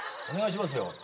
お願いしますよ。